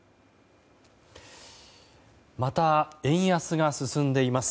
また円安が進んでいます。